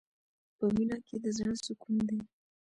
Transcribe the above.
په مینه کې د زړه سکون دی.